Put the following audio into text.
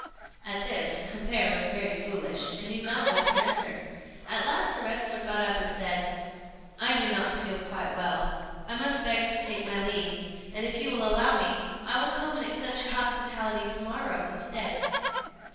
At this the pair looked very foolish, and knew not what to answer; at last the wrestler got up and said "I do not feel quite well. I must beg to take my leave; and, if you will allow me, I will come and accept your hospitality to morrow instead."